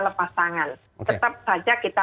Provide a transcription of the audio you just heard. lepas tangan tetap saja kita